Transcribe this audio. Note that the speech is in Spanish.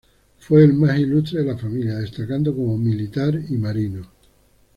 Fue el más ilustre de la familia, destacando como militar y marino.